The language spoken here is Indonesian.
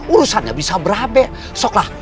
urusannya bisa berabe sok lah